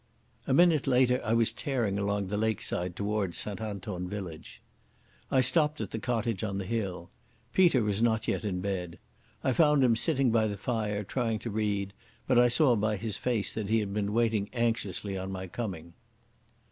A minute later I was tearing along the lake side towards St Anton village. I stopped at the cottage on the hill. Peter was not yet in bed. I found him sitting by the fire, trying to read, but I saw by his face that he had been waiting anxiously on my coming.